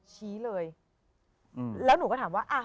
ชี้เลยแล้วหนูก็ถามว่าอ่ะ